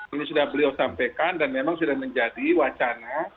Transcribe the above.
ini sudah beliau sampaikan dan memang sudah menjadi wacana